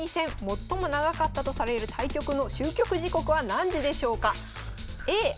最も長かったとされる対局の終局時刻は何時でしょうか？